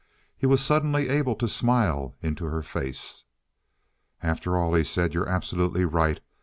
He was suddenly able to smile into her face. "After all," he said, "you're absolutely right.